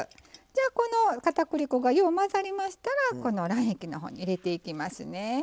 じゃあこのかたくり粉がよう混ざりましたらこの卵液の方に入れていきますね。